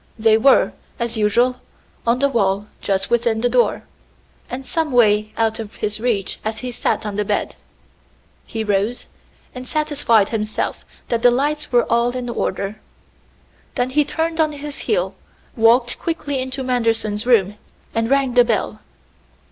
They were, as usual, on the wall just within the door, and some way out of his reach as he sat on the bed. He rose, and satisfied himself that the lights were all in order. Then he turned on his heel, walked quickly into Manderson's room, and rang the bell.